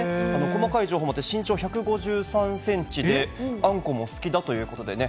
細かい情報もあって、身長１５３センチであんこも好きだということでね。